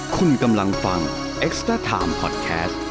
คุณกำลังฟังเอ็กซ์เตอร์ไทม์พอดแคสต์